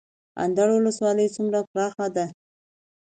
اندړ ولسوالۍ څومره پراخه ده؟